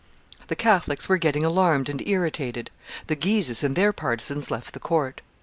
The Catholics were getting alarmed and irritated. The Guises and their partisans left the court.